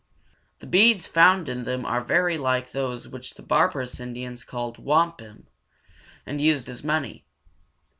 The beads found in them are very like those which the barbarous Indians called wampum and used as money.